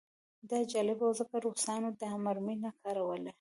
دا جالبه وه ځکه روسانو دا مرمۍ نه کارولې